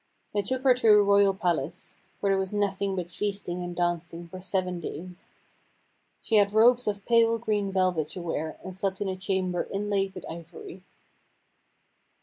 They took her to a royal palace, where there was nothing but feasting and dancing for seven days. She had robes of pale green velvet to wear, and slept in a chamber inlaid with ivory.